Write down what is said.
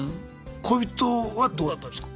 恋人はどうだったんすか？